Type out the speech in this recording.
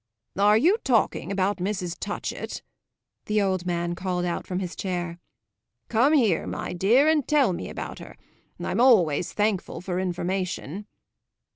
"Are you talking about Mrs. Touchett?" the old man called out from his chair. "Come here, my dear, and tell me about her. I'm always thankful for information."